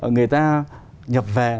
người ta nhập về